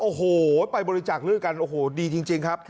โอ้โหไปบริจาคเลือดกันโอ้โหดีจริงครับ